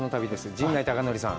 陣内孝則さん。